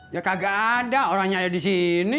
ya kagak ada orangnya aja di sini